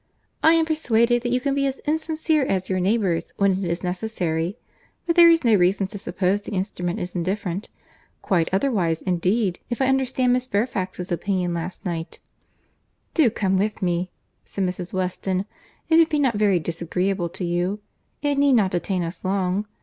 —"I am persuaded that you can be as insincere as your neighbours, when it is necessary; but there is no reason to suppose the instrument is indifferent. Quite otherwise indeed, if I understood Miss Fairfax's opinion last night." "Do come with me," said Mrs. Weston, "if it be not very disagreeable to you. It need not detain us long.